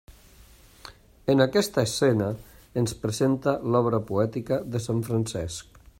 En aquesta escena, ens presenta l'obra poètica de sant Francesc.